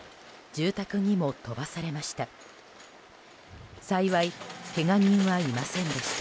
住宅にも飛ばされました。